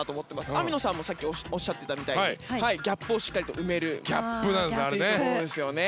網野さんもさっきおっしゃっていたみたいにギャップをしっかりと埋めるということですね。